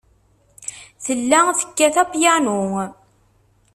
Tella tekkat apyanu.